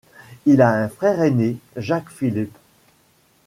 Il a un frère aîné, Jacques-Philippe.